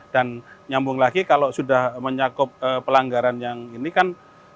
dan nyambung lagi kalau sudah menyakup pelanggaran yang ini kan